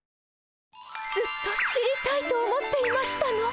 ずっと知りたいと思っていましたの。